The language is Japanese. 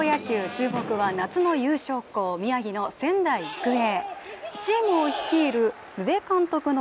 注目は夏の優勝校、宮城の仙台育英。